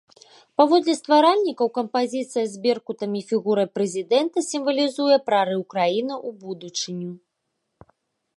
Паводле стваральнікаў, кампазіцыя з беркутам і фігурай прэзідэнта сімвалізуе прарыў краіны ў будучыню.